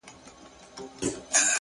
علم د بې لارې کېدو مخه نیسي’